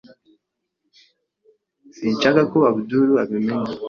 Sinshaka ko Abdul abimenya.